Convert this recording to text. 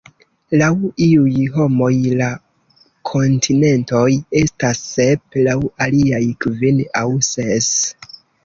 Laŭ iuj homoj la kontinentoj estas sep, laŭ aliaj kvin aŭ ses.